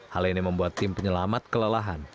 hal ini membuat tim penyelamat kelelahan